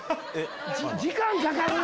時間かかるな！